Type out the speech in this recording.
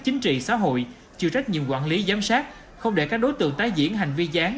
chính trị xã hội chịu trách nhiệm quản lý giám sát không để các đối tượng tái diễn hành vi gián